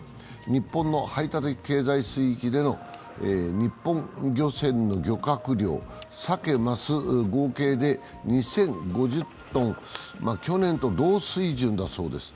日本の排他的経済水域での日本漁船の漁獲量サケ・マス合計で２０５０ｔ、去年と同水準だそうです。